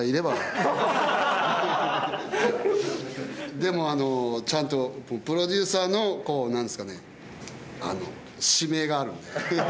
でもちゃんとプロデューサーのこうなんですかね指名があるんで。